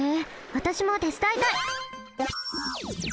わたしもてつだいたい！